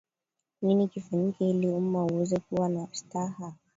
nini kifanyike ili umma uweze kuwa na staha